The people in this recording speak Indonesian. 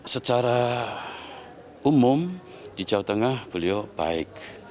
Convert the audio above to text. secara umum di jawa tengah beliau baik